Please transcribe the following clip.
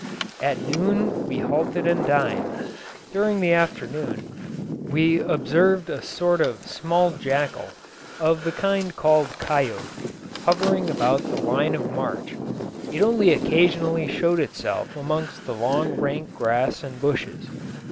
At noon we halted and dined. During the afternoon, we observed a sort of small jackall, of the kind called Koyott, hovering about the line of march. It only occasionally showed itself amongst the long rank grass and bushes.